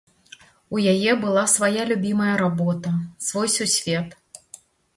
У яе была свая любімая работа, свой сусвет.